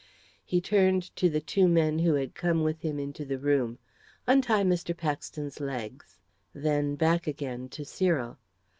He turned to the two men who had come with him into the room. "Untie Mr. Paxton's legs." Then back again to Cyril.